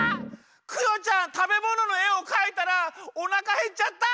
クヨちゃんたべもののえをかいたらおなかへっちゃった！